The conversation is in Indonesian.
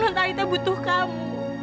nontalita butuh kamu